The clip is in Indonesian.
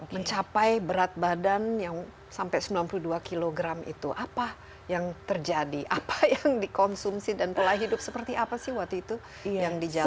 mencapai berat badan yang sampai sembilan puluh dua kg itu apa yang terjadi apa yang dikonsumsi dan pola hidup seperti apa sih waktu itu yang dijalankan